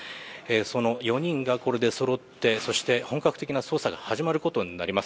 その４人がこれでそろって、そして本格的な捜査が始まることになります。